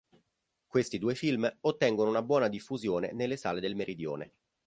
Questi due film ottengono una buona diffusione nelle sale del Meridione.